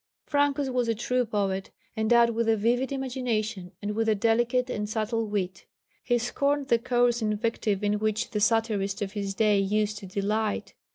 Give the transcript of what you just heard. Francus was a true poet, endowed with a vivid imagination and with a delicate and subtle wit. He scorned the coarse invective in which the satirists of his day used to delight.